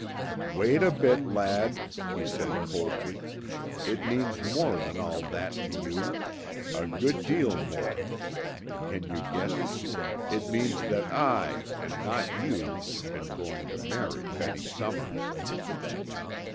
"Wait a bit, lad," he said coldly. "It means more than all that to you. A good deal more. Can you guess it? It means that I and not you am going to marry Betty Somers."